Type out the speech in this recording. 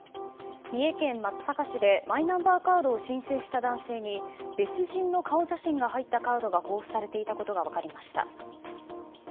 三重県松阪市でマイナンバーカードを申請した男性に別人の顔写真が入ったカードが公布されていたことが分かりました。